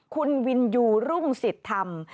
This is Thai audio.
คุณวินยูรุ่งสิทธิ์ธรรม